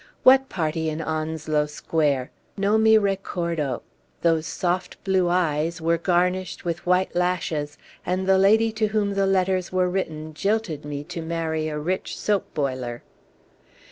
What party in Onslow Square? Non mi recordo. 'Those soft blue eyes' were garnished with white lashes, and the lady to whom the letters were written jilted me to marry a rich soap boiler."